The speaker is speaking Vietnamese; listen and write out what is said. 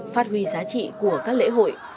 phát huy giá trị của các lễ hội